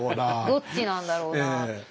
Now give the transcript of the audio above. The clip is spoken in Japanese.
どっちなんだろうな。